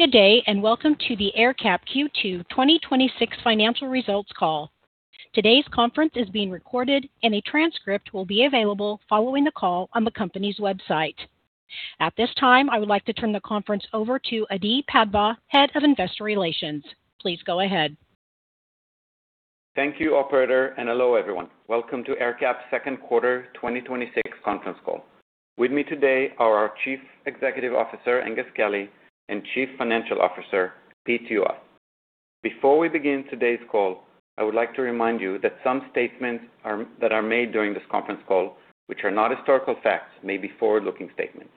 Good day, and welcome to the AerCap Q2 2026 financial results call. Today's conference is being recorded, and a transcript will be available following the call on the company's website. At this time, I would like to turn the conference over to Adi Padva, Head of Investor Relations. Please go ahead. Thank you, operator, and hello, everyone. Welcome to AerCap's second quarter 2026 conference call. With me today are our Chief Executive Officer, Aengus Kelly, and Chief Financial Officer, Pete Juhas. Before we begin today's call, I would like to remind you that some statements that are made during this conference call, which are not historical facts, may be forward-looking statements.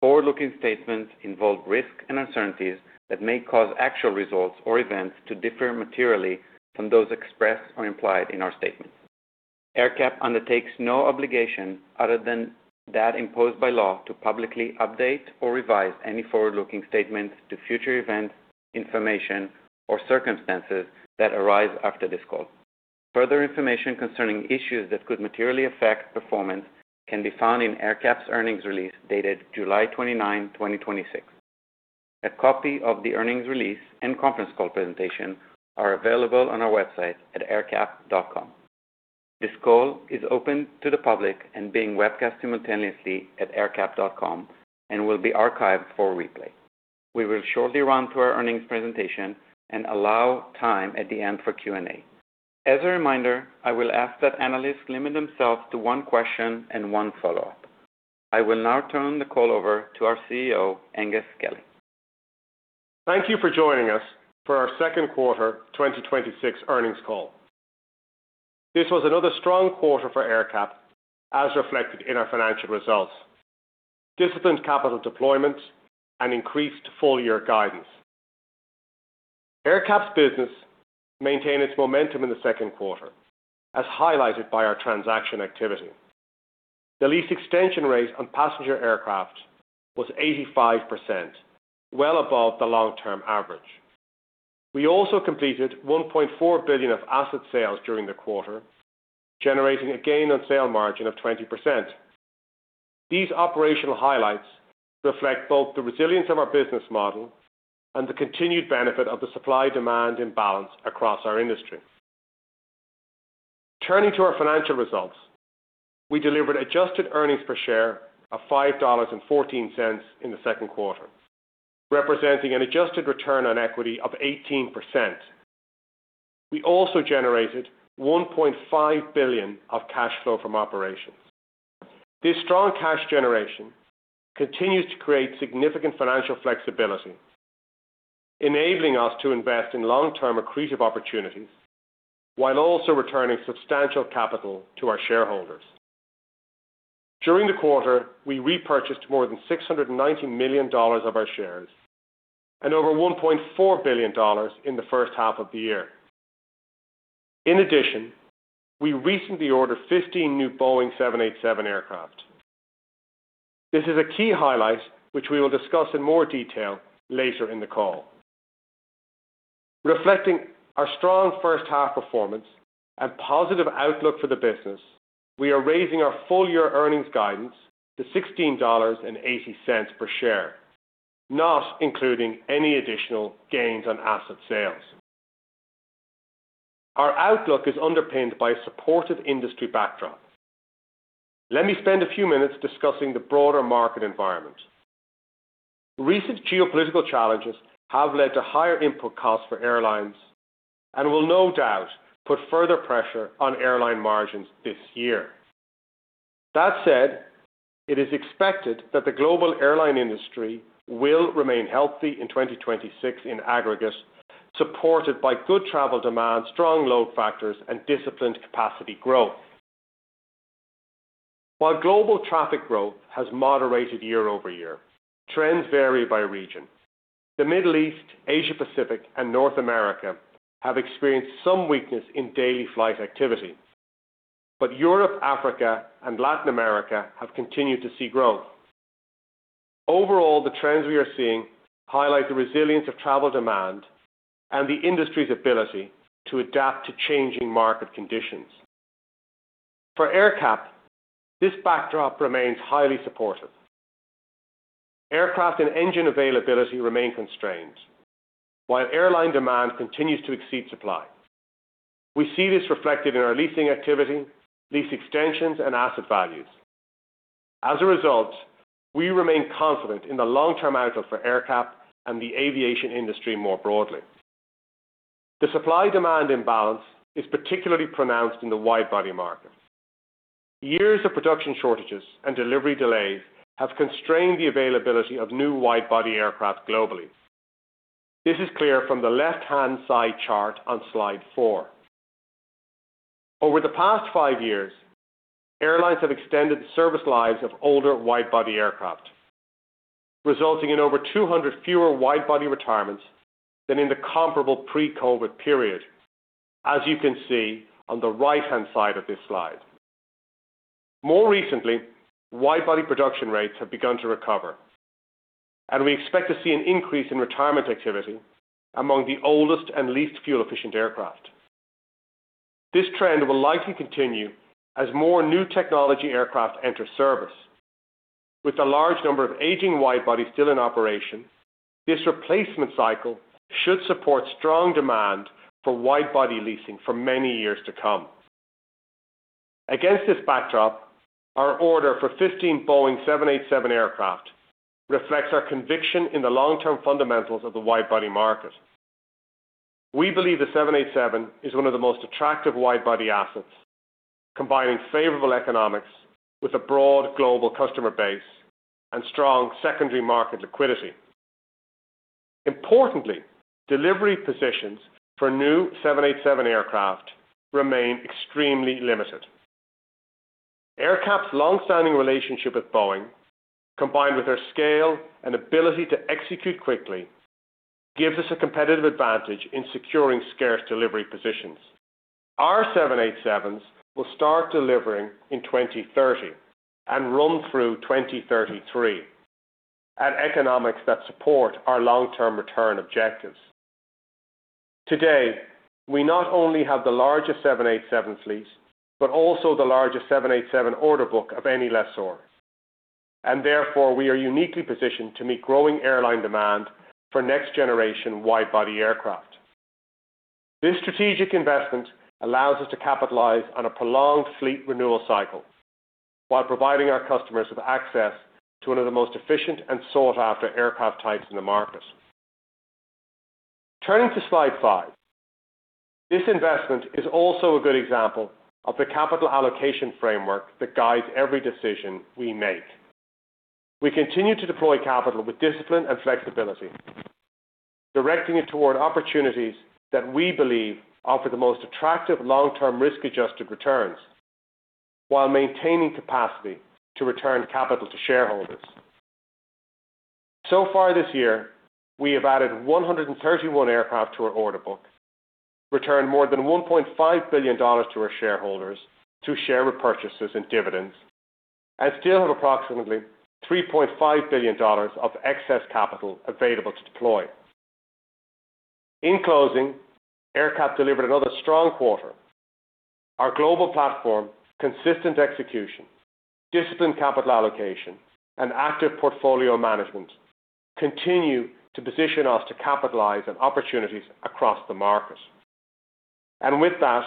Forward-looking statements involve risks and uncertainties that may cause actual results or events to differ materially from those expressed or implied in our statements. AerCap undertakes no obligation other than that imposed by law to publicly update or revise any forward-looking statements to future events, information, or circumstances that arise after this call. Further information concerning issues that could materially affect performance can be found in AerCap's earnings release dated July 29, 2026. A copy of the earnings release and conference call presentation are available on our website at aercap.com. This call is open to the public and being webcast simultaneously at aercap.com and will be archived for replay. We will shortly run through our earnings presentation and allow time at the end for Q&A. As a reminder, I will ask that analysts limit themselves to one question and one follow-up. I will now turn the call over to our CEO, Aengus Kelly. Thank you for joining us for our second quarter 2026 earnings call. This was another strong quarter for AerCap, as reflected in our financial results, disciplined capital deployment, and increased full-year guidance. AerCap's business maintained its momentum in the second quarter, as highlighted by our transaction activity. The lease extension rate on passenger aircraft was 85%, well above the long-term average. We also completed $1.4 billion of asset sales during the quarter, generating a gain on sale margin of 20%. These operational highlights reflect both the resilience of our business model and the continued benefit of the supply-demand imbalance across our industry. Turning to our financial results, we delivered adjusted earnings per share of $5.14 in the second quarter, representing an adjusted return on equity of 18%. We also generated $1.5 billion of cash flow from operations. This strong cash generation continues to create significant financial flexibility, enabling us to invest in long-term accretive opportunities while also returning substantial capital to our shareholders. During the quarter, we repurchased more than $690 million of our shares and over $1.4 billion in the first half of the year. In addition, we recently ordered 15 new Boeing 787 aircraft. This is a key highlight, which we will discuss in more detail later in the call. Reflecting our strong first half performance and positive outlook for the business, we are raising our full-year earnings guidance to $16.80 per share, not including any additional gains on asset sales. Our outlook is underpinned by a supportive industry backdrop. Let me spend a few minutes discussing the broader market environment. Recent geopolitical challenges have led to higher input costs for airlines and will no doubt put further pressure on airline margins this year. That said, it is expected that the global airline industry will remain healthy in 2026 in aggregate, supported by good travel demand, strong load factors, and disciplined capacity growth. While global traffic growth has moderated year-over-year, trends vary by region. The Middle East, Asia Pacific, and North America have experienced some weakness in daily flight activity. Europe, Africa, and Latin America have continued to see growth. Overall, the trends we are seeing highlight the resilience of travel demand and the industry's ability to adapt to changing market conditions. For AerCap, this backdrop remains highly supportive. Aircraft and engine availability remain constrained, while airline demand continues to exceed supply. We see this reflected in our leasing activity, lease extensions, and asset values. As a result, we remain confident in the long-term outlook for AerCap and the aviation industry more broadly. The supply-demand imbalance is particularly pronounced in the wide-body market. Years of production shortages and delivery delays have constrained the availability of new wide-body aircraft globally. This is clear from the left-hand side chart on Slide four. Over the past five years, airlines have extended the service lives of older wide-body aircraft, resulting in over 200 fewer wide-body retirements than in the comparable pre-COVID period, as you can see on the right-hand side of this slide. More recently, wide-body production rates have begun to recover. We expect to see an increase in retirement activity among the oldest and least fuel-efficient aircraft. This trend will likely continue as more new technology aircraft enter service. With a large number of aging wide-body still in operation, this replacement cycle should support strong demand for wide-body leasing for many years to come. Against this backdrop, our order for 15 Boeing 787 aircraft reflects our conviction in the long-term fundamentals of the wide-body market. We believe the 787 is one of the most attractive wide-body assets, combining favorable economics with a broad global customer base and strong secondary market liquidity. Importantly, delivery positions for new 787 aircraft remain extremely limited. AerCap's longstanding relationship with Boeing, combined with our scale and ability to execute quickly, gives us a competitive advantage in securing scarce delivery positions. Our 787s will start delivering in 2030 and run through 2033 at economics that support our long-term return objectives. Today, we not only have the largest 787 fleet, but also the largest 787 order book of any lessor. Therefore, we are uniquely positioned to meet growing airline demand for next-generation wide-body aircraft. This strategic investment allows us to capitalize on a prolonged fleet renewal cycle while providing our customers with access to one of the most efficient and sought-after aircraft types in the market. Turning to slide five. This investment is also a good example of the capital allocation framework that guides every decision we make. We continue to deploy capital with discipline and flexibility, directing it toward opportunities that we believe offer the most attractive long-term risk-adjusted returns while maintaining capacity to return capital to shareholders. So far this year, we have added 131 aircraft to our order book, returned more than $1.5 billion to our shareholders through share repurchases and dividends, and still have approximately $3.5 billion of excess capital available to deploy. In closing, AerCap delivered another strong quarter. Our global platform, consistent execution, disciplined capital allocation, and active portfolio management continue to position us to capitalize on opportunities across the market. With that,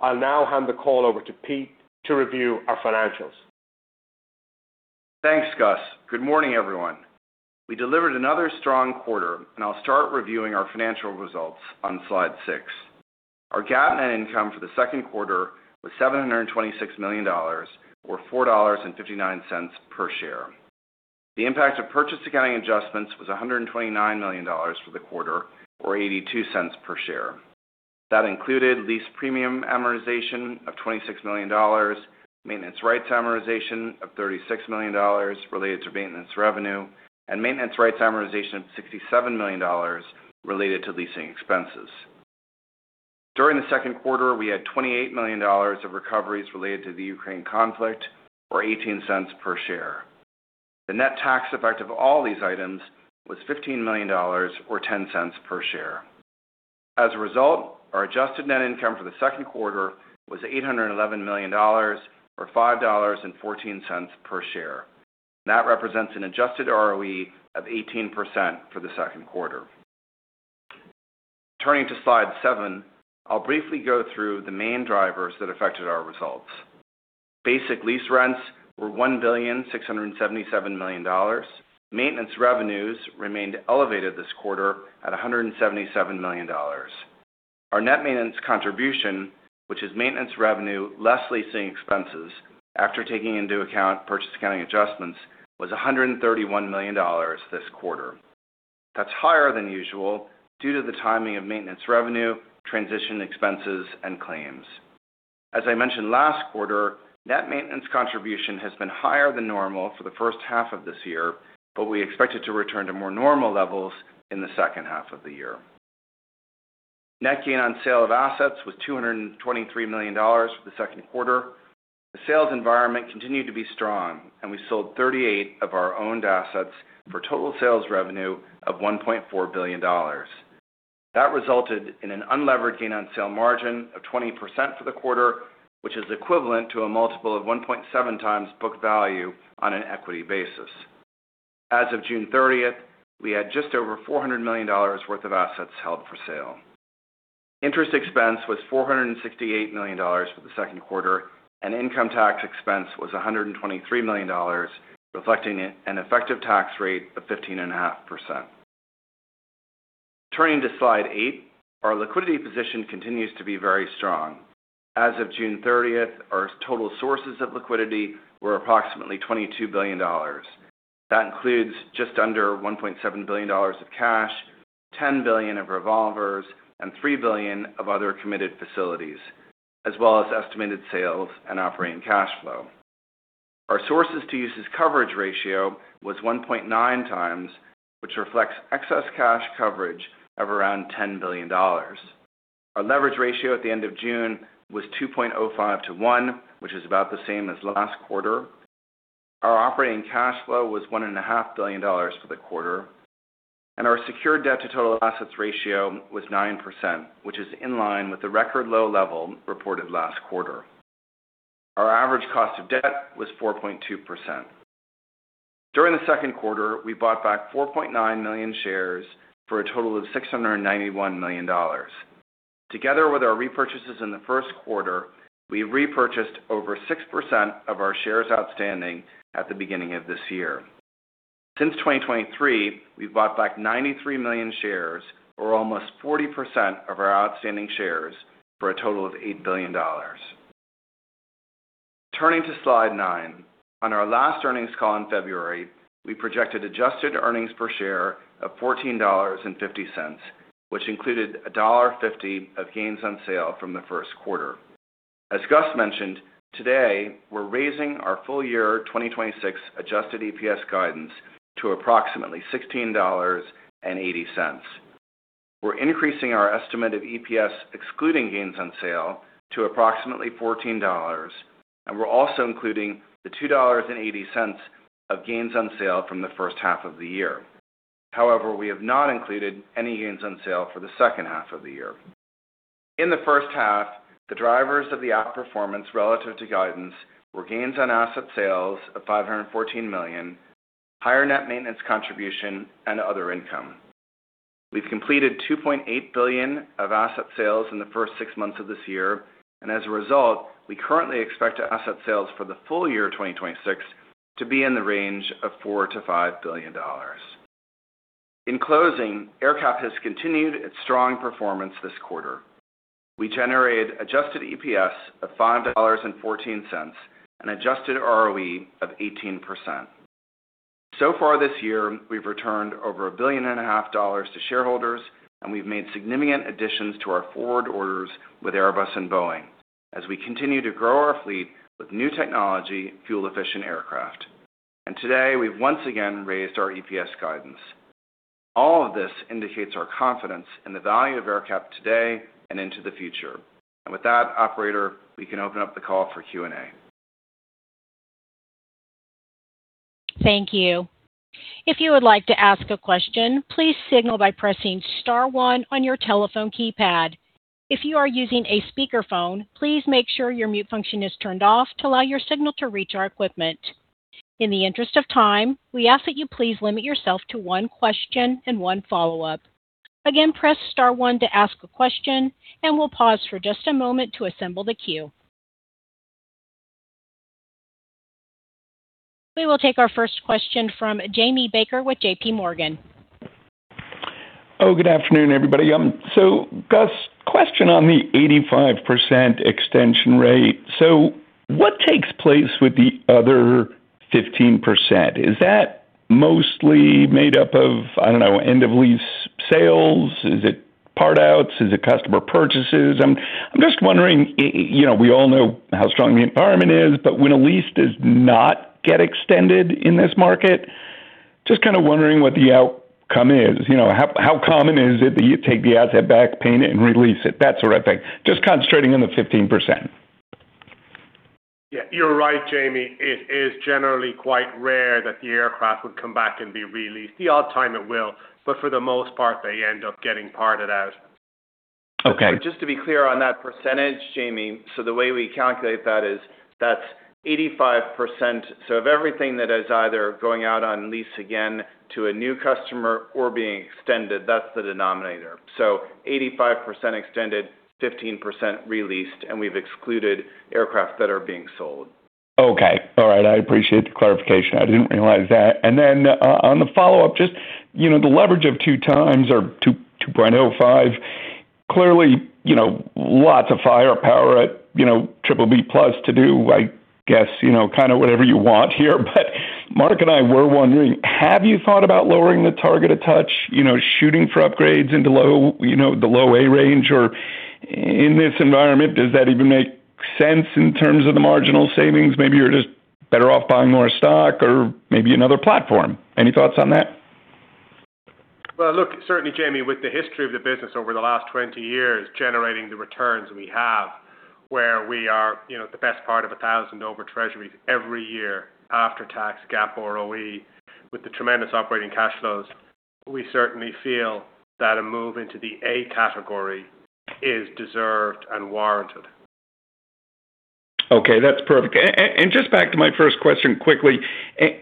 I'll now hand the call over to Pete to review our financials. Thanks, Gus. Good morning, everyone. We delivered another strong quarter, and I'll start reviewing our financial results on slide six. Our GAAP net income for the second quarter was $726 million, or $4.59 per share. The impact of purchase accounting adjustments was $129 million for the quarter, or $0.82 per share. That included lease premium amortization of $26 million, maintenance rights amortization of $36 million related to maintenance revenue, and maintenance rights amortization of $67 million related to leasing expenses. During the second quarter, we had $28 million of recoveries related to the Ukraine conflict, or $0.18 per share. The net tax effect of all these items was $15 million or $0.10 per share. As a result, our adjusted net income for the second quarter was $811 million, or $5.14 per share. That represents an adjusted ROE of 18% for the second quarter. Turning to slide seven, I'll briefly go through the main drivers that affected our results. Basic lease rents were $1.677 billion. Maintenance revenues remained elevated this quarter at $177 million. Our net maintenance contribution, which is maintenance revenue less leasing expenses after taking into account purchase accounting adjustments, was $131 million this quarter. That's higher than usual due to the timing of maintenance revenue, transition expenses, and claims. As I mentioned last quarter, net maintenance contribution has been higher than normal for the first half of this year, but we expect it to return to more normal levels in the second half of the year. Net gain on sale of assets was $223 million for the second quarter. The sales environment continued to be strong, and we sold 38 of our owned assets for total sales revenue of $1.4 billion. That resulted in an unlevered gain on sale margin of 20% for the quarter, which is equivalent to a multiple of 1.7x book value on an equity basis. As of June 30th, we had just over $400 million worth of assets held for sale. Interest expense was $468 million for the second quarter, and income tax expense was $123 million, reflecting an effective tax rate of 15.5%. Turning to slide eight. Our liquidity position continues to be very strong. As of June 30th, our total sources of liquidity were approximately $22 billion. That includes just under $1.7 billion of cash, $10 billion of revolvers, and $3 billion of other committed facilities, as well as estimated sales and operating cash flow. Our sources to uses coverage ratio was 1.9x, which reflects excess cash coverage of around $10 billion. Our leverage ratio at the end of June was 2.05 to 1, which is about the same as last quarter. Our operating cash flow was $1.5 billion for the quarter, and our secured debt to total assets ratio was 9%, which is in line with the record low level reported last quarter. Our average cost of debt was 4.2%. During the second quarter, we bought back 4.9 million shares for a total of $691 million. Together with our repurchases in the first quarter, we repurchased over 6% of our shares outstanding at the beginning of this year. Since 2023, we've bought back 93 million shares, or almost 40% of our outstanding shares, for a total of $8 billion. Turning to Slide nine. On our last earnings call in February, we projected adjusted earnings per share of $14.50, which included $1.50 of gains on sale from the first quarter. As Gus mentioned, today, we're raising our full year 2026 Adjusted EPS guidance to approximately $16.80. We're increasing our estimate of EPS, excluding gains on sale, to approximately $14, and we're also including the $2.80 of gains on sale from the first half of the year. However, we have not included any gains on sale for the second half of the year. In the first half, the drivers of the outperformance relative to guidance were gains on asset sales of $514 million, higher net maintenance contribution, and other income. We've completed $2.8 billion of asset sales in the first six months of this year, and as a result, we currently expect asset sales for the full year 2026 to be in the range of $4 billion-$5 billion. In closing, AerCap has continued its strong performance this quarter. We generated Adjusted EPS of $5.14 and Adjusted ROE of 18%. Far this year, we've returned over $1.5 billion to shareholders, and we've made significant additions to our forward orders with Airbus and Boeing as we continue to grow our fleet with new technology, fuel-efficient aircraft. Today, we've once again raised our EPS guidance. All of this indicates our confidence in the value of AerCap today and into the future. With that, operator, we can open up the call for Q&A. Thank you. If you would like to ask a question, please signal by pressing star one on your telephone keypad. If you are using a speakerphone, please make sure your mute function is turned off to allow your signal to reach our equipment. In the interest of time, we ask that you please limit yourself to one question and one follow-up. Again, press star one to ask a question, and we'll pause for just a moment to assemble the queue. We will take our first question from Jamie Baker with JPMorgan. Good afternoon, everybody. Gus, question on the 85% extension rate. What takes place with the other 15%? Is that mostly made up of, I don't know, end of lease sales? Is it part outs? Is it customer purchases? I'm just wondering, we all know how strong the environment is, but when a lease does not get extended in this market, just kind of wondering what the outcome is. How common is it that you take the asset back, paint it, and re-lease it, that sort of thing? Just concentrating on the 15%. You're right, Jamie. It is generally quite rare that the aircraft would come back and be re-leased. The odd time it will, but for the most part, they end up getting parted out. Okay. Just to be clear on that percentage, Jamie, the way we calculate that is that's 85%, of everything that is either going out on lease again to a new customer or being extended, that's the denominator. 85% extended, 15% re-leased, and we've excluded aircraft that are being sold. Okay. All right. I appreciate the clarification. I didn't realize that. On the follow-up, just the leverage of 2x or 2.05, clearly, lots of firepower at BBB+ to do, I guess, kind of whatever you want here. Mark and I were wondering, have you thought about lowering the target a touch, shooting for upgrades into the low A range, or in this environment, does that even make sense in terms of the marginal savings? Maybe you're just better off buying more stock or maybe another platform. Any thoughts on that? Well, look, certainly, Jamie, with the history of the business over the last 20 years, generating the returns we have, where we are the best part of 1,000 over Treasuries every year after-tax GAAP ROE with the tremendous operating cash flows, we certainly feel that a move into the A category is deserved and warranted. Okay, that's perfect. Just back to my first question quickly,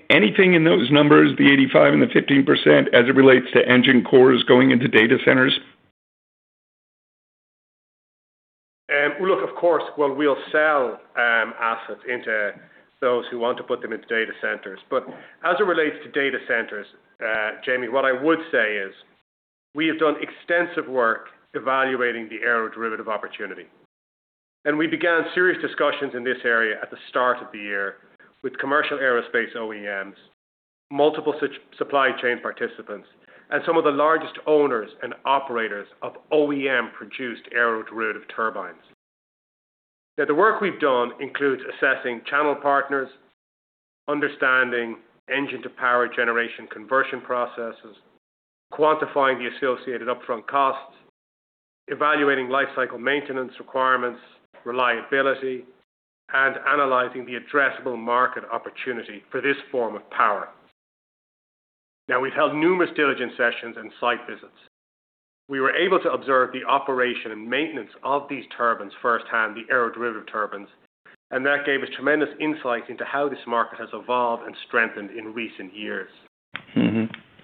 anything in those numbers, the 85 and the 15%, as it relates to engine cores going into data centers? Look, of course, we'll sell assets into those who want to put them into data centers. As it relates to data centers, Jamie, what I would say is we have done extensive work evaluating the aeroderivative opportunity. We began serious discussions in this area at the start of the year with commercial aerospace OEMs, multiple supply chain participants, and some of the largest owners and operators of OEM-produced aeroderivative turbines. Now, the work we've done includes assessing channel partners, understanding engine-to-power generation conversion processes, quantifying the associated upfront costs Evaluating life cycle maintenance requirements, reliability, and analyzing the addressable market opportunity for this form of power. Now, we've held numerous diligence sessions and site visits. We were able to observe the operation and maintenance of these turbines firsthand, the aeroderivative turbines, and that gave us tremendous insight into how this market has evolved and strengthened in recent years.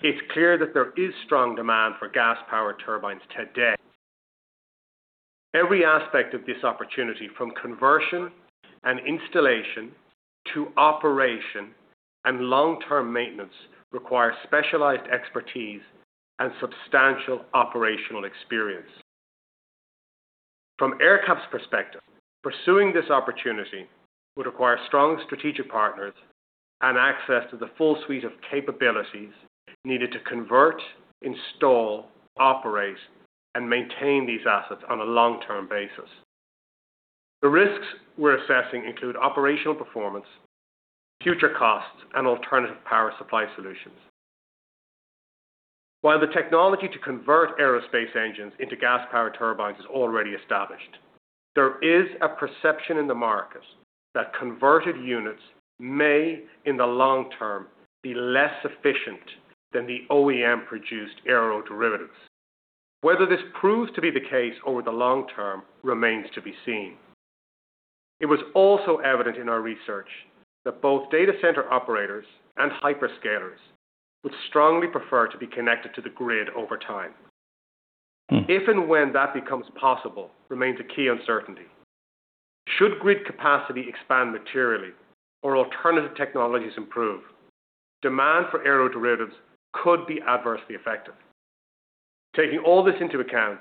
It's clear that there is strong demand for gas-powered turbines today. Every aspect of this opportunity, from conversion and installation to operation and long-term maintenance, requires specialized expertise and substantial operational experience. From AerCap's perspective, pursuing this opportunity would require strong strategic partners and access to the full suite of capabilities needed to convert, install, operate, and maintain these assets on a long-term basis. The risks we're assessing include operational performance, future costs, and alternative power supply solutions. While the technology to convert aerospace engines into gas-powered turbines is already established, there is a perception in the market that converted units may, in the long term, be less efficient than the OEM-produced aeroderivatives. Whether this proves to be the case over the long term remains to be seen. It was also evident in our research that both data center operators and hyperscalers would strongly prefer to be connected to the grid over time. If and when that becomes possible remains a key uncertainty. Should grid capacity expand materially or alternative technologies improve, demand for aeroderivatives could be adversely affected. Taking all this into account,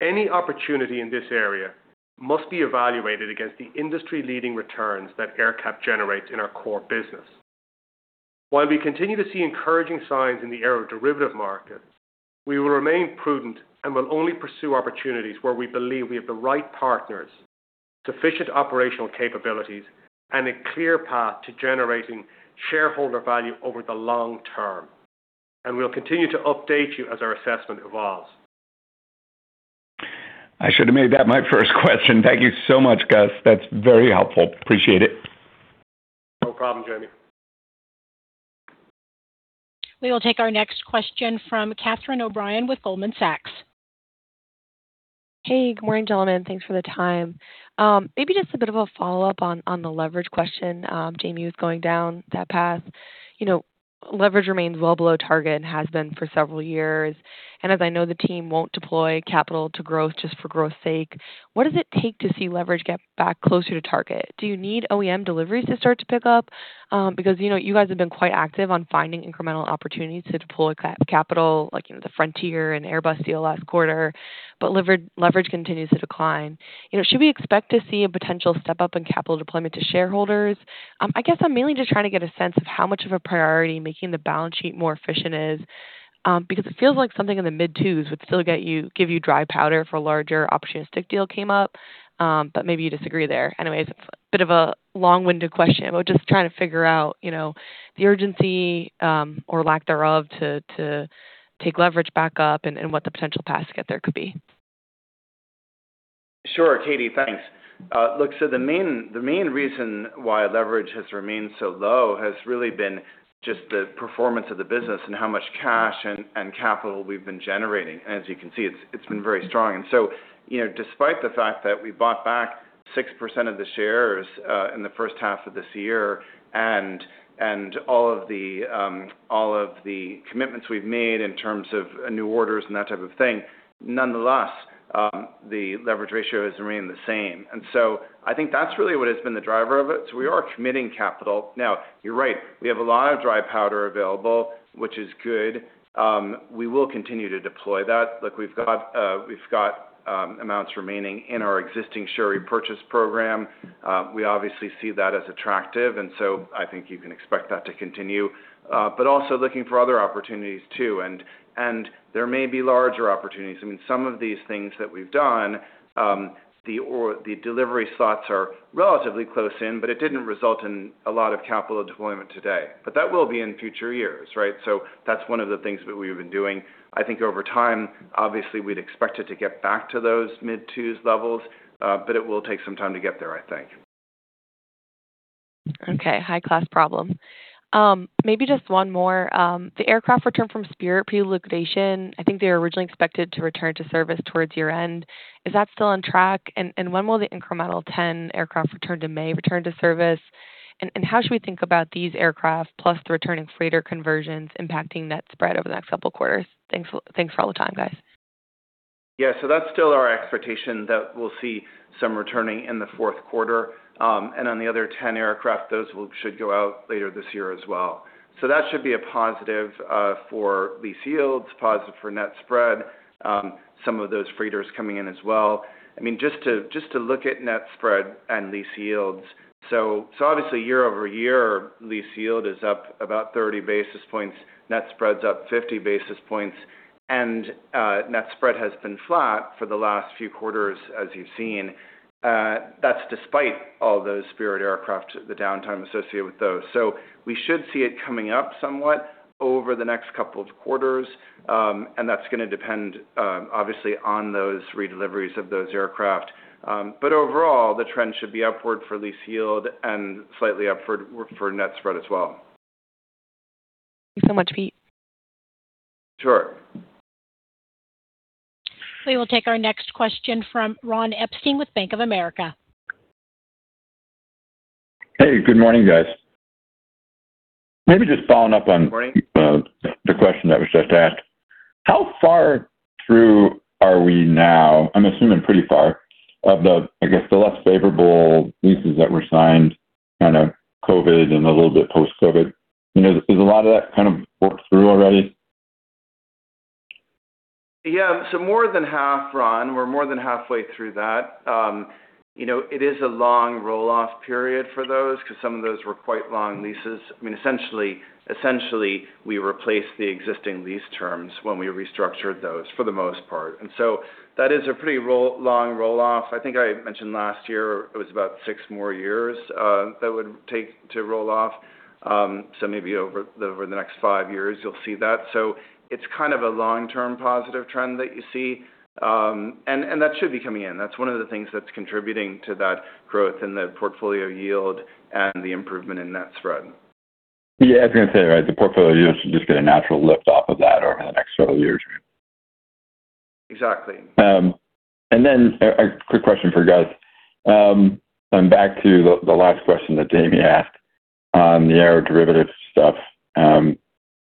any opportunity in this area must be evaluated against the industry-leading returns that AerCap generates in our core business. While we continue to see encouraging signs in the aeroderivative market, we will remain prudent and will only pursue opportunities where we believe we have the right partners, sufficient operational capabilities, and a clear path to generating shareholder value over the long term. We'll continue to update you as our assessment evolves. I should have made that my first question. Thank you so much, Gus. That's very helpful. Appreciate it. No problem, Jamie. We will take our next question from Catherine O'Brien with Goldman Sachs. Hey, good morning, gentlemen. Thanks for the time. Maybe just a bit of a follow-up on the leverage question, Jamie, if going down that path. Leverage remains well below target and has been for several years. As I know, the team won't deploy capital to growth just for growth's sake. What does it take to see leverage get back closer to target? Do you need OEM deliveries to start to pick up? You guys have been quite active on finding incremental opportunities to deploy capital, like the Frontier and Airbus deal last quarter. Leverage continues to decline. Should we expect to see a potential step-up in capital deployment to shareholders? I guess I'm mainly just trying to get a sense of how much of a priority making the balance sheet more efficient is. It feels like something in the mid twos would still give you dry powder for a larger opportunistic deal came up. Maybe you disagree there. Anyways, it's a bit of a long-winded question, just trying to figure out the urgency or lack thereof to take leverage back up and what the potential paths to get there could be. Sure, Catie. Thanks. Look, the main reason why leverage has remained so low has really been just the performance of the business and how much cash and capital we've been generating. As you can see, it's been very strong. Despite the fact that we bought back 6% of the shares in the first half of this year and all of the commitments we've made in terms of new orders and that type of thing, nonetheless, the leverage ratio has remained the same. I think that's really what has been the driver of it. We are committing capital. Now, you're right, we have a lot of dry powder available, which is good. We will continue to deploy that. Look, we've got amounts remaining in our existing share repurchase program. We obviously see that as attractive, I think you can expect that to continue. Also looking for other opportunities too, and there may be larger opportunities. Some of these things that we've done, the delivery slots are relatively close in, but it didn't result in a lot of capital deployment today. That will be in future years. That's one of the things that we've been doing. I think over time, obviously, we'd expect it to get back to those mid 2s levels, but it will take some time to get there, I think. Okay. High-class problem. Maybe just one more. The aircraft return from Spirit pre-liquidation, I think they were originally expected to return to service towards year-end. Is that still on track? When will the incremental 10 aircraft return to service? How should we think about these aircraft plus the returning freighter conversions impacting net spread over the next couple quarters? Thanks for all the time, guys. Yeah. That's still our expectation, that we'll see some returning in the fourth quarter. On the other 10 aircraft, those should go out later this year as well. That should be a positive for lease yields, positive for net spread. Some of those freighters coming in as well. Just to look at net spread and lease yields. Obviously year-over-year, lease yield is up about 30 basis points. Net spread's up 50 basis points. Net spread has been flat for the last few quarters, as you've seen. That's despite all those Spirit aircraft, the downtime associated with those. We should see it coming up somewhat over the next couple of quarters, and that's going to depend, obviously, on those redeliveries of those aircraft. Overall, the trend should be upward for lease yield and slightly upward for net spread as well. Thank you so much, Pete. Sure. We will take our next question from Ron Epstein with Bank of America. Hey, good morning, guys. Maybe just following up on- Good morning the question that was just asked. How far through are we now, I'm assuming pretty far, of the less favorable leases that were signed COVID and a little bit post-COVID? Is a lot of that kind of worked through already? Yeah. More than half, Ron. We're more than halfway through that. It is a long roll-off period for those because some of those were quite long leases. Essentially, we replaced the existing lease terms when we restructured those, for the most part. That is a pretty long roll-off. I think I mentioned last year, it was about six more years that would take to roll off. Maybe over the next five years you'll see that. It's kind of a long-term positive trend that you see. That should be coming in. That's one of the things that's contributing to that growth in the portfolio yield and the improvement in net spread. Yeah, I was going to say, the portfolio yields should just get a natural lift off of that over the next several years. Exactly. A quick question for Gus. Going back to the last question that Jamie asked on the aeroderivative stuff.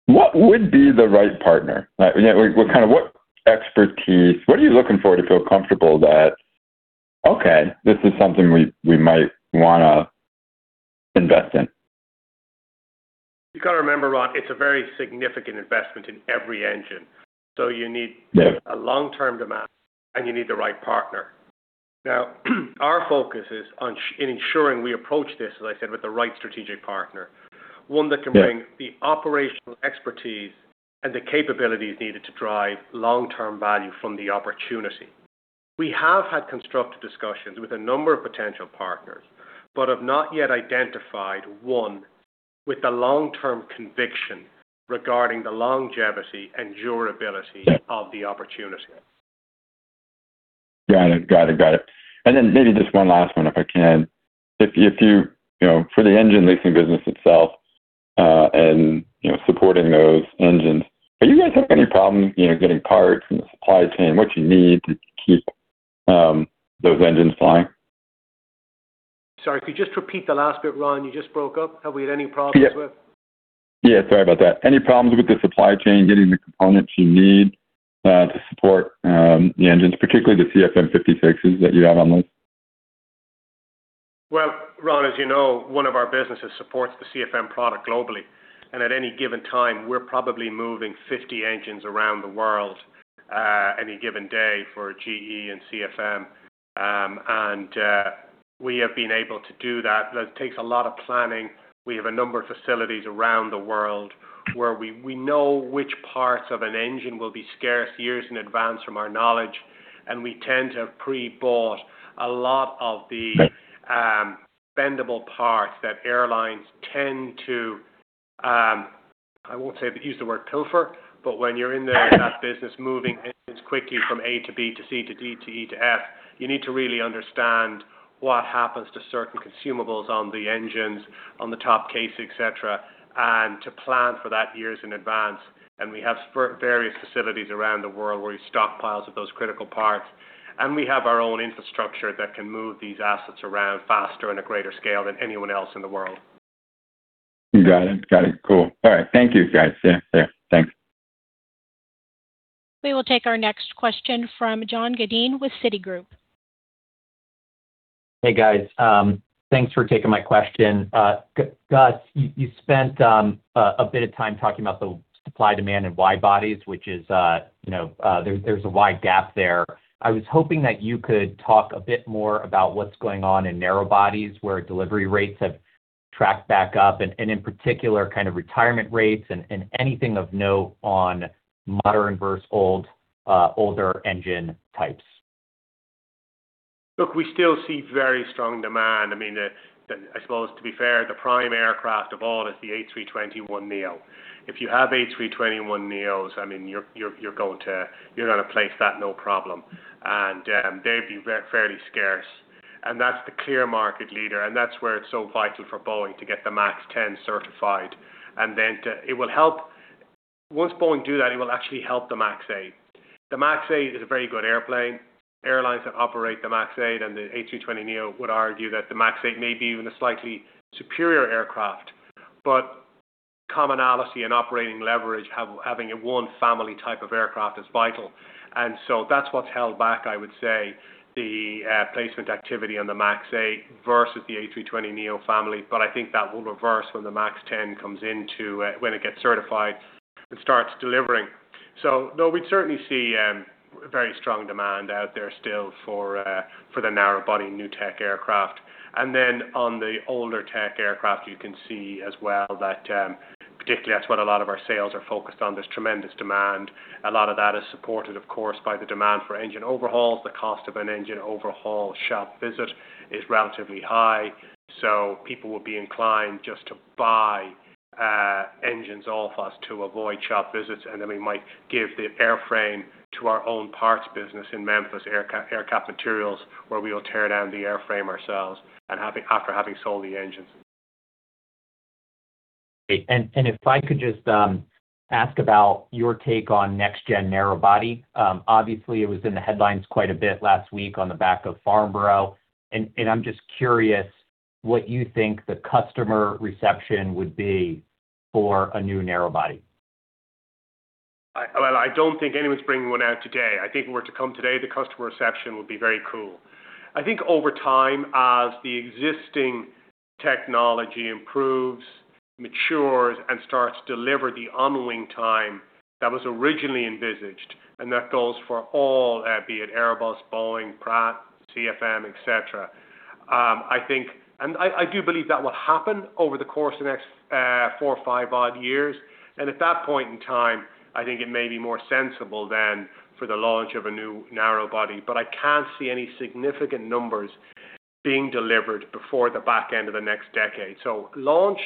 What would be the right partner? What expertise, what are you looking for to feel comfortable that, okay, this is something we might want to invest in? You got to remember, Ron, it's a very significant investment in every engine. You need- Yeah a long-term demand, you need the right partner. Our focus is in ensuring we approach this, as I said, with the right strategic partner. One that can bring Yeah the operational expertise and the capabilities needed to drive long-term value from the opportunity. We have had constructive discussions with a number of potential partners, but have not yet identified one with the long-term conviction regarding the longevity and durability Yeah of the opportunity. Got it. Maybe just one last one, if I can. For the engine leasing business itself, and supporting those engines, are you guys having any problem getting parts and the supply chain, what you need to keep those engines flying? Sorry, could you just repeat the last bit, Ron? You just broke up. Have we had any problems with? Yeah, sorry about that. Any problems with the supply chain, getting the components you need to support the engines, particularly the CFM56s that you have on lease? Well, Ron, as you know, one of our businesses supports the CFM product globally. At any given time, we're probably moving 50 engines around the world any given day for GE and CFM. We have been able to do that. That takes a lot of planning. We have a number of facilities around the world where we know which parts of an engine will be scarce years in advance from our knowledge, and we tend to have pre-bought. Right expendable parts that airlines tend to, I won't use the word pilfer, but when you're in that business, moving engines quickly from A to B to C to D to E to F, you need to really understand what happens to certain consumables on the engines, on the top case, et cetera, and to plan for that years in advance. We have various facilities around the world where we stockpile those critical parts, and we have our own infrastructure that can move these assets around faster in a greater scale than anyone else in the world. Got it. Cool. All right. Thank you, guys. Yeah. Thanks. We will take our next question from John Godyn with Citigroup. Hey, guys. Thanks for taking my question. Gus, you spent a bit of time talking about the supply-demand in wide-bodies, which there's a wide gap there. I was hoping that you could talk a bit more about what's going on in narrow bodies, where delivery rates have tracked back up, and in particular, retirement rates and anything of note on modern versus older engine types. Look, we still see very strong demand. I suppose to be fair, the prime aircraft of all is the A321neo. If you have A321neos, you're going to place that no problem. They'd be fairly scarce. That's the clear market leader, and that's where it's so vital for Boeing to get the MAX 10 certified. Once Boeing do that, it will actually help the MAX 8. The MAX 8 is a very good airplane. Airlines that operate the MAX 8 and the A320neo would argue that the MAX 8 may be even a slightly superior aircraft. Commonality and operating leverage, having a one-family type of aircraft is vital. That's what's held back, I would say, the placement activity on the MAX 8 versus the A320neo family, but I think that will reverse when the MAX 10 comes into it, when it gets certified and starts delivering. No, we'd certainly see very strong demand out there still for the narrow body new tech aircraft. On the older tech aircraft, you can see as well that, particularly that's what a lot of our sales are focused on, there's tremendous demand. A lot of that is supported, of course, by the demand for engine overhauls. The cost of an engine overhaul shop visit is relatively high, so people will be inclined just to buy engines off us to avoid shop visits, then we might give the airframe to our own parts business in Memphis, AerCap Materials, where we will tear down the airframe ourselves after having sold the engines. Great. If I could just ask about your take on next gen narrow body. Obviously, it was in the headlines quite a bit last week on the back of Farnborough, I'm just curious what you think the customer reception would be for a new narrow body. I don't think anyone's bringing one out today. I think if it were to come today, the customer reception would be very cool. I think over time, as the existing technology improves, matures, and starts to deliver the on-wing time that was originally envisaged, that goes for all, be it Airbus, Boeing, Pratt, CFM, et cetera. I do believe that will happen over the course of the next four or five odd years. At that point in time, I think it may be more sensible than for the launch of a new narrow body. I can't see any significant numbers being delivered before the back end of the next decade. Launch,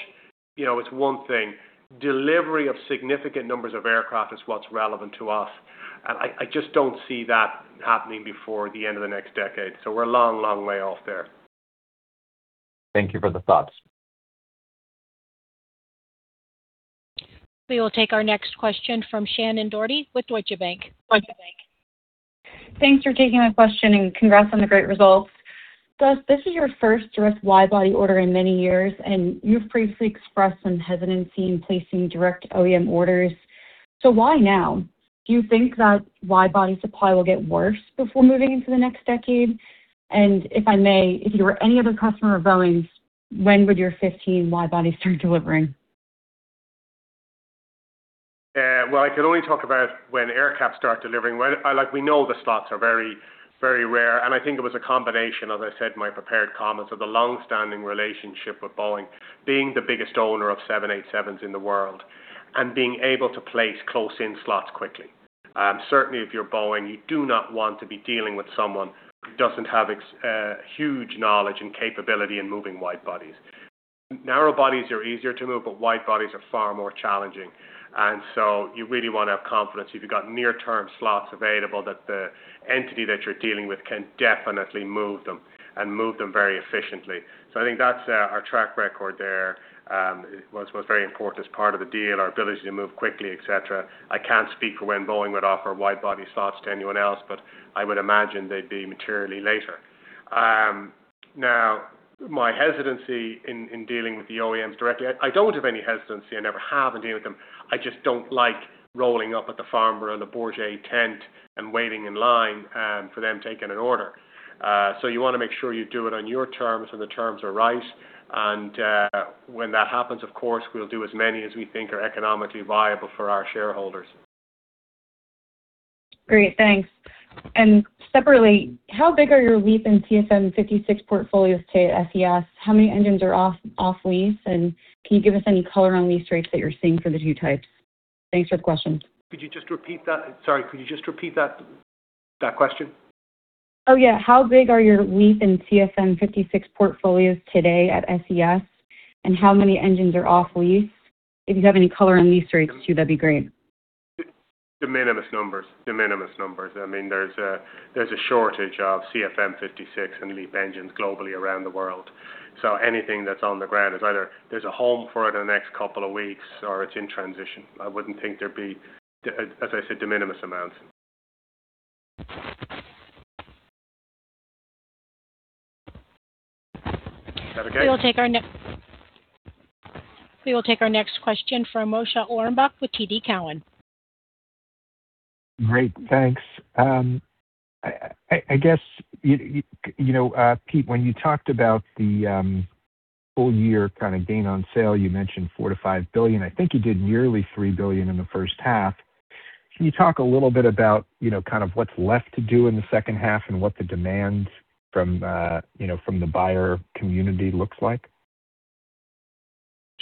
it's one thing. Delivery of significant numbers of aircraft is what's relevant to us. I just don't see that happening before the end of the next decade. We're a long way off there. Thank you for the thoughts. We will take our next question from Shannon Doherty with Deutsche Bank. Deutsche Bank. Thanks for taking my question, and congrats on the great results. Gus, this is your first direct wide-body order in many years, and you've previously expressed some hesitancy in placing direct OEM orders. Why now? Do you think that wide-body supply will get worse before moving into the next decade? If I may, if you were any other customer of Boeing's, when would your 15 wide-bodies start delivering? I could only talk about when AerCap starts delivering. We know the slots are very rare, and I think it was a combination, as I said in my prepared comments, of the long-standing relationship with Boeing, being the biggest owner of 787s in the world, and being able to place close-in slots quickly. Certainly, if you're Boeing, you do not want to be dealing with someone who doesn't have huge knowledge and capability in moving wide bodies. Narrow bodies are easier to move, but wide bodies are far more challenging. You really want to have confidence, if you've got near-term slots available, that the entity that you're dealing with can definitely move them and move them very efficiently. I think that's our track record there. It was a very important as part of the deal, our ability to move quickly, et cetera. I can't speak for when Boeing would offer wide-body slots to anyone else, but I would imagine they'd be materially later. My hesitancy in dealing with the OEMs directly, I don't have any hesitancy. I never have in dealing with them. I just don't like rolling up at the Farnborough, the Bourget tent and waiting in line for them taking an order. You want to make sure you do it on your terms, when the terms are right, and when that happens, of course, we'll do as many as we think are economically viable for our shareholders. Great, thanks. Separately, how big are your LEAP and CFM56 portfolios today at SES? How many engines are off lease, and can you give us any color on lease rates that you're seeing for the two types? Thanks for the questions. Could you just repeat that? Sorry, could you just repeat that question? Oh, yeah. How big are your LEAP and CFM56 portfolios today at SES, how many engines are off lease? If you have any color on lease rates too, that'd be great. De minimis numbers. There's a shortage of CFM56 and LEAP engines globally around the world. Anything that's on the ground, it's either there's a home for it in the next couple of weeks or it's in transition. I wouldn't think As I said, de minimis amounts. Is that okay? We will take our next question from Moshe Orenbuch with TD Cowen. Great, thanks. I guess, Pete, when you talked about the full year gain on sale, you mentioned $4 billion-$5 billion. I think you did nearly $3 billion in the first half. Can you talk a little bit about what's left to do in the second half and what the demands from the buyer community looks like?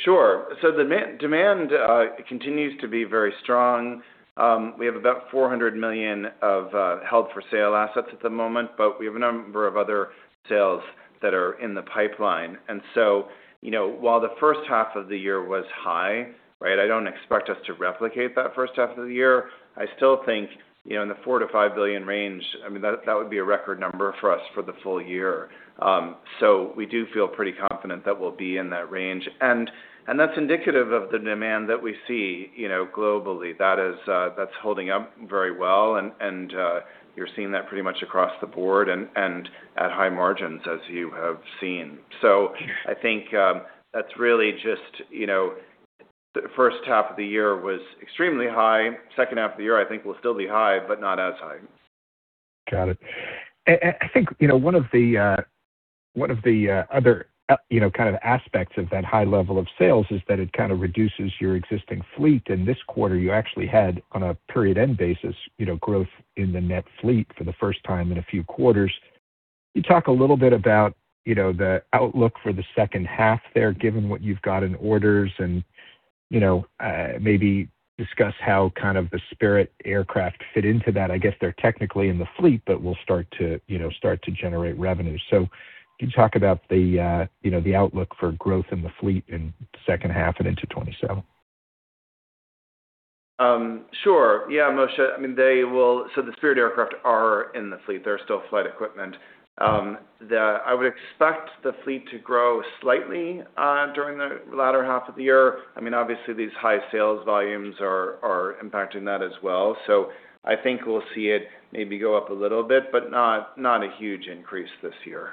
Sure. Demand continues to be very strong. We have about $400 million of held for sale assets at the moment, but we have a number of other sales that are in the pipeline. While the first half of the year was high, I don't expect us to replicate that first half of the year. I still think, in the $4 billion-$5 billion range, that would be a record number for us for the full year. We do feel pretty confident that we'll be in that range. That's indicative of the demand that we see globally. That's holding up very well, and you're seeing that pretty much across the board and at high margins, as you have seen. I think that's really just the first half of the year was extremely high. Second half of the year, I think will still be high, but not as high. Got it. One of the other aspects of that high level of sales is that it reduces your existing fleet. This quarter you actually had, on a period-end basis, growth in the net fleet for the first time in a few quarters. Can you talk a little bit about the outlook for the second half there, given what you've got in orders, and maybe discuss how the Spirit aircraft fit into that? I guess they're technically in the fleet, but will start to generate revenue. Can you talk about the outlook for growth in the fleet in the second half and into 2027? Sure. Yeah, Moshe. The Spirit aircraft are in the fleet. They're still flight equipment. I would expect the fleet to grow slightly during the latter half of the year. Obviously, these high sales volumes are impacting that as well. I think we'll see it maybe go up a little bit, but not a huge increase this year.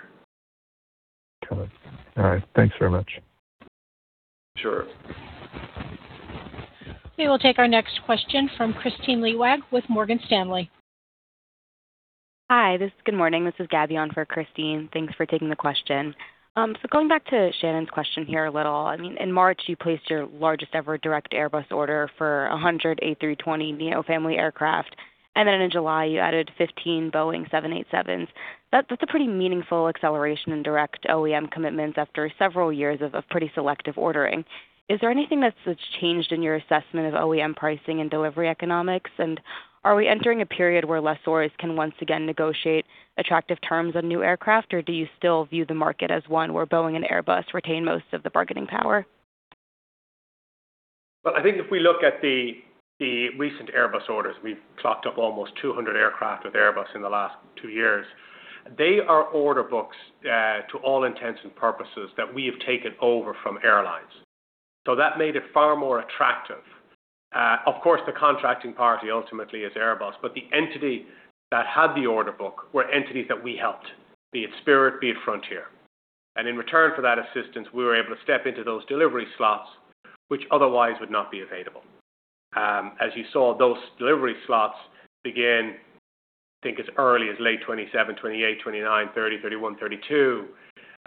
Got it. All right. Thanks very much. Sure. We will take our next question from Kristine Liwag with Morgan Stanley. Hi. Good morning. This is Gaby on for Kristine. Thanks for taking the question. Going back to Shannon's question here a little, in March you placed your largest ever direct Airbus order for 100 A320neo family aircraft, then in July you added 15 Boeing 787s. That's a pretty meaningful acceleration in direct OEM commitments after several years of a pretty selective ordering. Is there anything that's changed in your assessment of OEM pricing and delivery economics? Are we entering a period where lessors can once again negotiate attractive terms on new aircraft, or do you still view the market as one where Boeing and Airbus retain most of the bargaining power? I think if we look at the recent Airbus orders, we've clocked up almost 200 aircraft with Airbus in the last two years. They are order books, to all intents and purposes, that we have taken over from airlines. That made it far more attractive. Of course, the contracting party ultimately is Airbus, but the entity that had the order book were entities that we helped, be it Spirit, be it Frontier. In return for that assistance, we were able to step into those delivery slots, which otherwise would not be available. As you saw, those delivery slots begin, I think, as early as late 2027, 2028, 2029, 2030, 2031, 2032,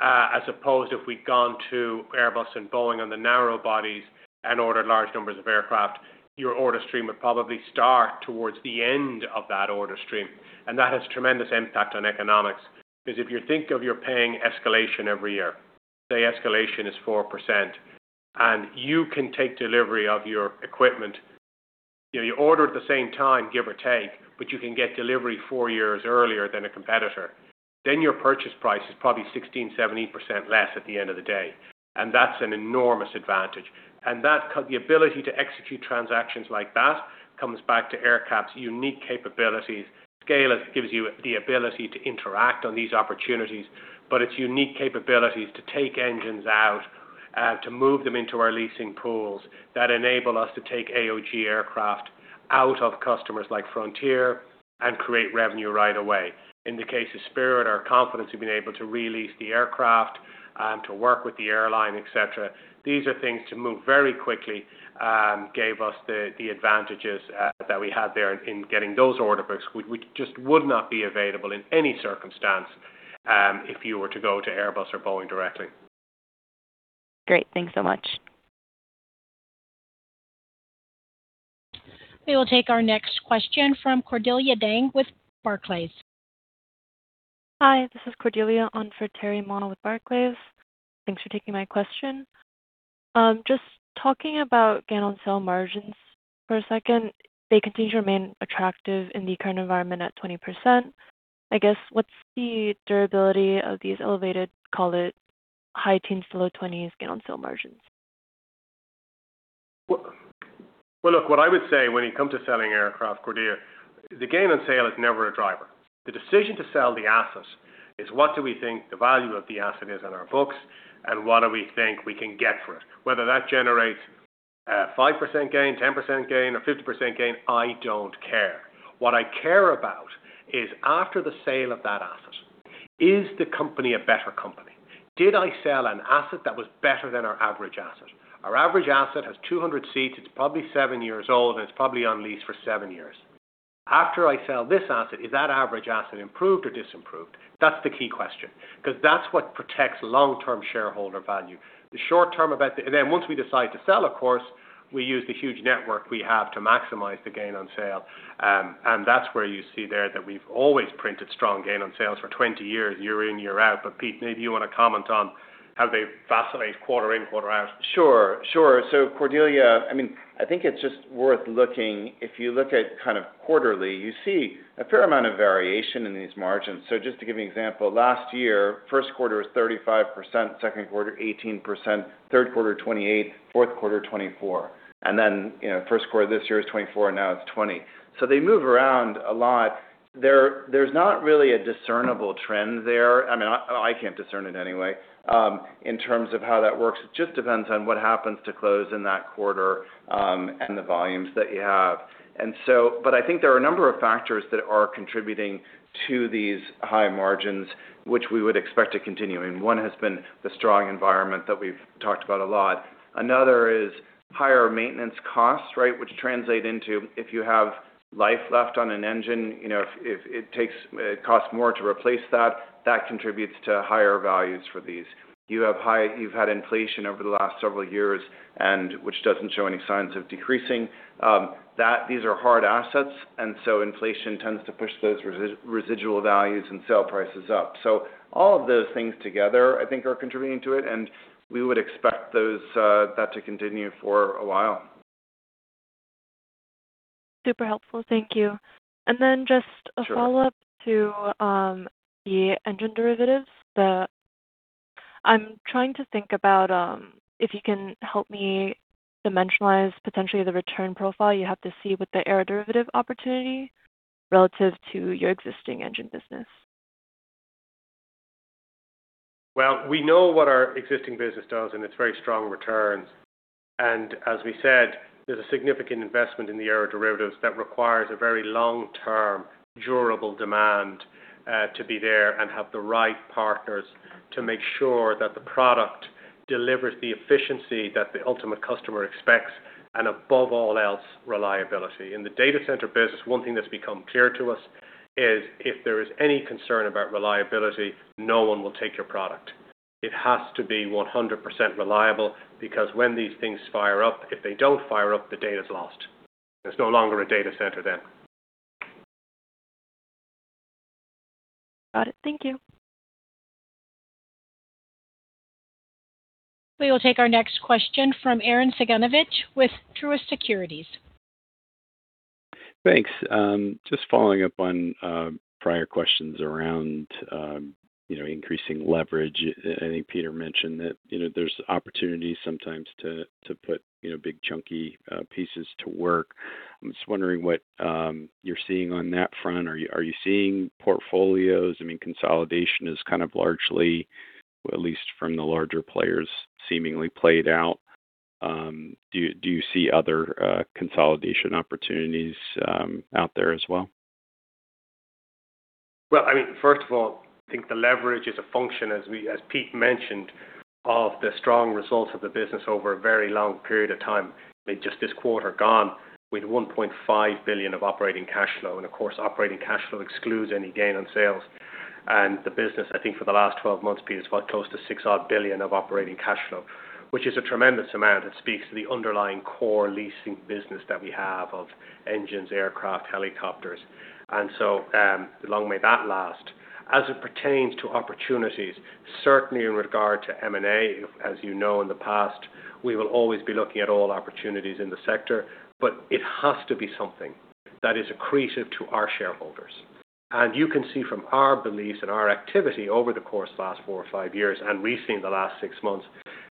as opposed if we'd gone to Airbus and Boeing on the narrow bodies and ordered large numbers of aircraft, your order stream would probably start towards the end of that order stream. That has tremendous impact on economics, because if you think of your paying escalation every year, say escalation is 4%, and you can take delivery of your equipment, you order at the same time, give or take, but you can get delivery four years earlier than a competitor, then your purchase price is probably 16%, 17% less at the end of the day. That's an enormous advantage. The ability to execute transactions like that comes back to AerCap's unique capabilities. Scale gives you the ability to interact on these opportunities, but it's unique capabilities to take engines out, to move them into our leasing pools that enable us to take AOG aircraft out of customers like Frontier and create revenue right away. In the case of Spirit, our confidence in being able to re-lease the aircraft, to work with the airline, et cetera. These are things to move very quickly, gave us the advantages that we had there in getting those order books, which just would not be available in any circumstance if you were to go to Airbus or Boeing directly. Great. Thanks so much. We will take our next question from Cordelia Dang with Barclays. Hi, this is Cordelia on for Terry Ma with Barclays. Thanks for taking my question. Just talking about gain on sale margins for a second, they continue to remain attractive in the current environment at 20%. I guess what's the durability of these elevated, call it high teens to low twenties gain on sale margins? Well, look, what I would say when it comes to selling aircraft, Cordelia, the gain on sale is never a driver. The decision to sell the assets is what do we think the value of the asset is on our books and what do we think we can get for it? Whether that generates a 5% gain, 10% gain, or 50% gain, I don't care. What I care about is after the sale of that asset, is the company a better company? Did I sell an asset that was better than our average asset? Our average asset has 200 seats, it's probably seven years old, and it's probably on lease for seven years. After I sell this asset, is that average asset improved or disimproved? That's the key question, because that's what protects long-term shareholder value. Once we decide to sell, of course, we use the huge network we have to maximize the gain on sale. That's where you see there that we've always printed strong gain on sales for 20 years, year in, year out. Pete, maybe you want to comment on how they vacillate quarter in, quarter out. Sure. Cordelia, I think it's just worth looking. If you look at quarterly, you see a fair amount of variation in these margins. Just to give you an example, last year, first quarter was 35%, second quarter 18%, third quarter 28%, fourth quarter 24%. First quarter this year is 24%, now it's 20%. They move around a lot. There's not really a discernible trend there, I can't discern it anyway, in terms of how that works. It just depends on what happens to close in that quarter, and the volumes that you have. I think there are a number of factors that are contributing to these high margins, which we would expect to continue. One has been the strong environment that we've talked about a lot. Another is higher maintenance costs, which translate into, if you have life left on an engine, if it costs more to replace that contributes to higher values for these. You've had inflation over the last several years, which doesn't show any signs of decreasing. These are hard assets, inflation tends to push those residual values and sale prices up. All of those things together, I think, are contributing to it, and we would expect that to continue for a while. Super helpful. Thank you. Sure A follow-up to the engine derivatives. I'm trying to think about if you can help me dimensionalize potentially the return profile you have to see with the aeroderivative opportunity relative to your existing engine business. Well, we know what our existing business does, it's very strong returns. As we said, there's a significant investment in the aeroderivatives that requires a very long-term durable demand to be there and have the right partners to make sure that the product delivers the efficiency that the ultimate customer expects, and above all else, reliability. In the data center business, one thing that's become clear to us is if there is any concern about reliability, no one will take your product. It has to be 100% reliable because when these things fire up, if they don't fire up, the data's lost. There's no longer a data center then. Got it. Thank you. We will take our next question from Arren Cyganovich with Truist Securities. Thanks. Just following up on prior questions around increasing leverage. I think Peter mentioned that there's opportunities sometimes to put big chunky pieces to work. I'm just wondering what you're seeing on that front. Are you seeing portfolios? Consolidation is kind of largely, at least from the larger players, seemingly played out. Do you see other consolidation opportunities out there as well? Well, first of all, I think the leverage is a function, as Pete mentioned, of the strong results of the business over a very long period of time. In just this quarter gone, we had $1.5 billion of operating cash flow. Of course, operating cash flow excludes any gain on sales. The business, I think for the last 12 months, Pete, is what, close to $6 odd billion of operating cash flow, which is a tremendous amount. It speaks to the underlying core leasing business that we have of engines, aircraft, helicopters. Long may that last. As it pertains to opportunities, certainly in regard to M&A, as you know in the past, we will always be looking at all opportunities in the sector. It has to be something that is accretive to our shareholders. You can see from our beliefs and our activity over the course of the last four or five years, we've seen the last six months,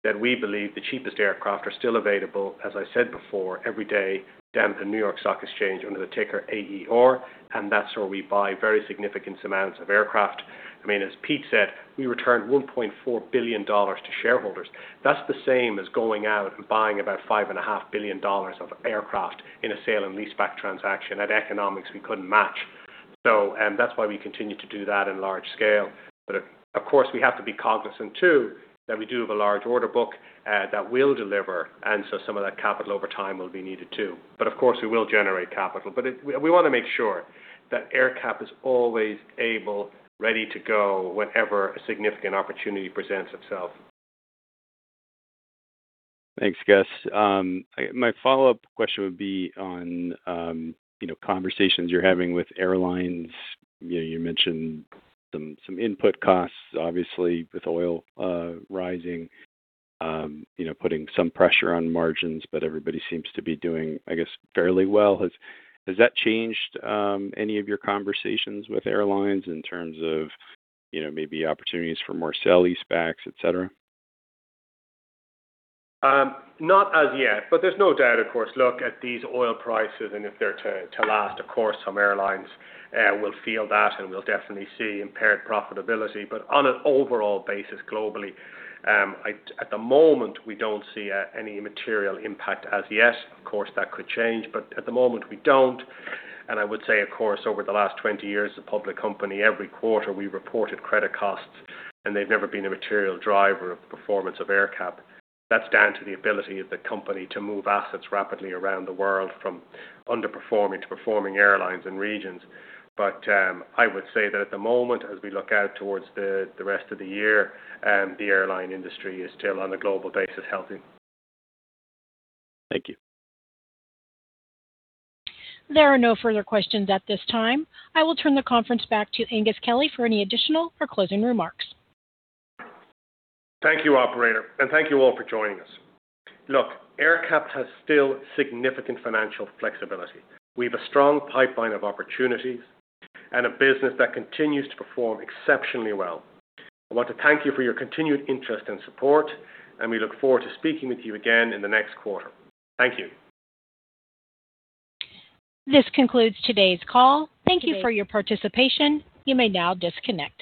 that we believe the cheapest aircraft are still available, as I said before, every day down at the New York Stock Exchange under the ticker AER, that's where we buy very significant amounts of aircraft. As Pete said, we returned $1.4 billion to shareholders. That's the same as going out and buying about $5.5 billion of aircraft in a sale and leaseback transaction. At economics, we couldn't match. That's why we continue to do that in large scale. Of course, we have to be cognizant too, that we do have a large order book that will deliver, some of that capital over time will be needed too. Of course, we will generate capital. We want to make sure that AerCap is always able, ready to go whenever a significant opportunity presents itself. Thanks, Gus. My follow-up question would be on conversations you're having with airlines. You mentioned some input costs, obviously with oil rising, putting some pressure on margins, but everybody seems to be doing, I guess, fairly well. Has that changed any of your conversations with airlines in terms of maybe opportunities for more sale leasebacks, et cetera? Not as yet, there's no doubt. Of course, look at these oil prices, and if they're to last, of course, some airlines will feel that, and we'll definitely see impaired profitability. On an overall basis globally, at the moment, we don't see any material impact as yet. Of course, that could change, but at the moment we don't. I would say, of course, over the last 20 years, a public company, every quarter, we reported credit costs, and they've never been a material driver of performance of AerCap. That's down to the ability of the company to move assets rapidly around the world from underperforming to performing airlines and regions. I would say that at the moment, as we look out towards the rest of the year, the airline industry is still on a global basis, healthy. Thank you. There are no further questions at this time. I will turn the conference back to Aengus Kelly for any additional or closing remarks. Thank you, operator. Thank you all for joining us. Look, AerCap has still significant financial flexibility. We have a strong pipeline of opportunities and a business that continues to perform exceptionally well. I want to thank you for your continued interest and support, and we look forward to speaking with you again in the next quarter. Thank you. This concludes today's call. Thank you for your participation. You may now disconnect.